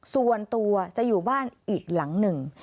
ส่วนตัวจะอยู่บ้านอีกหลังหนึ่ง